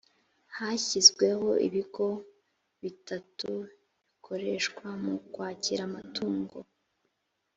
hashyizweho ibigo bitatu bikoreshwa mu kwakira amatungo